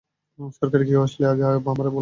সরকারি কেউ আসলে, আগে আমারে বলবা।